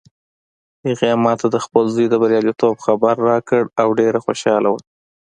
هغې ما ته د خپل زوی د بریالیتوب خبر راکړ او ډېره خوشحاله وه